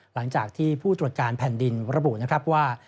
หลังจากที่ผู้ตรวจการแผ่นดินระบุนะครับว่า